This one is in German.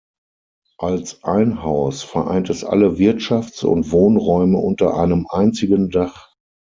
Als Einhaus vereint es alle Wirtschafts- und Wohnräume unter einem einzigen Dach.